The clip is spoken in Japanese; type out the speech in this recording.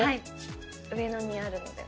上野にあるので。